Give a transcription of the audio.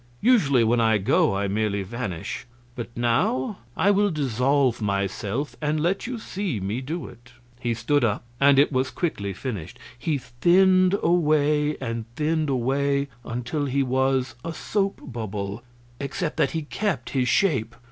Usually when I go I merely vanish; but now I will dissolve myself and let you see me do it." He stood up, and it was quickly finished. He thinned away and thinned away until he was a soap bubble, except that he kept his shape.